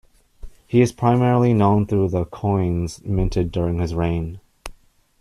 He is primarily known through the coins minted during his reign.